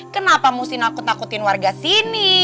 kenapa mesti nakut nakutin warga sini